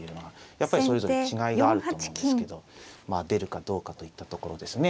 やっぱりそれぞれ違いがあると思うんですけどまあ出るかどうかといったところですね。